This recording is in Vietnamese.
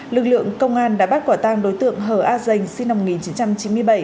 lực lượng công an đã bắt quả tăng đối tượng hờ a danh sinh năm một nghìn chín trăm chín mươi